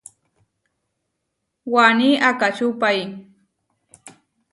Waní akačúpai.